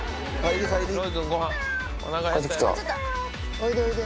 おいでおいで。